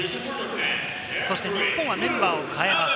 日本はメンバーを代えます。